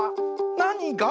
なにが？